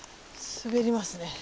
滑りますね。